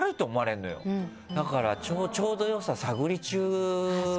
だからちょうど良さ探り中かも。